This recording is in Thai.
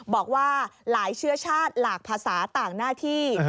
บอกว่าหลายเชื้อชาติหลากภาษาต่างหน้าที่